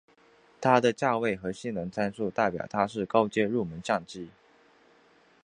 它的价位和性能参数代表它是高阶入门相机。